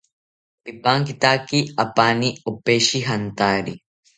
Pipankitaki apaani opeshi jantari